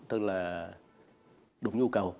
tức là đúng nhu cầu